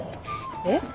えっ？